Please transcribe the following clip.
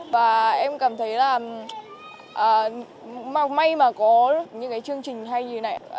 và em cảm thấy là may mà có những cái chương trình hay như thế này